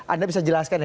anda bisa jelaskan